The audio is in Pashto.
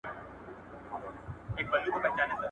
په هغه وخت کي د پوستکو توليدات لږ وو.